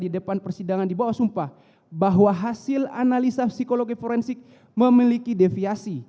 di depan persidangan di bawah sumpah bahwa hasil analisa psikologi forensik memiliki deviasi